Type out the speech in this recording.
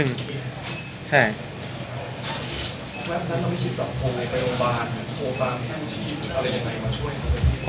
แป๊บนั้นเราไม่คิดต่อโทรไปโรงพยาบาลโรงพยาบาลแห้งชีพอะไรอย่างไรมาช่วย